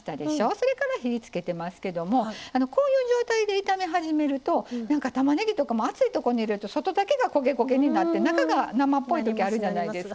それから火を付けてますけどもこういう状態で炒め始めるとたまねぎとかも熱いところに入れると外だけが焦げ焦げになって中が生っぽいときあるじゃないですか。